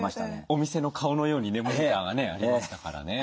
お店の顔のようにねモニターがねありましたからね。